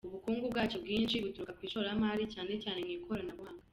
Ubukungu bwacyo bwinshi buturuka ku ishoramari, cyane cyane mu ikoranabuhanga.